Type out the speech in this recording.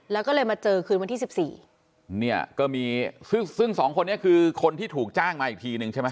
แล้วก็เลยมาเจอคืนวันที่สิบสี่เนี่ยก็มีซึ่งซึ่งสองคนนี้คือคนที่ถูกจ้างมาอีกทีนึงใช่ไหม